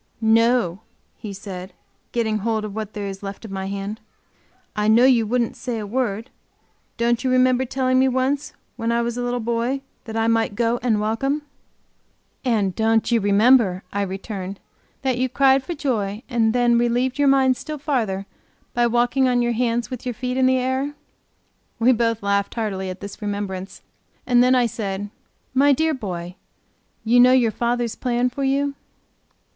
"No," he said, getting hold of what there is left of my hand. "I know you wouldn't say a word. Don't you remember telling me once when I was a little boy that I might go and welcome?" "And don't you remember," I returned, "that you cried for joy, and then relieved your mind still farther by walking on your hands with your feet in the air?" We both laughed heartily at this remembrance, and then I said: "My dear boy, you know your fathers plan for you?"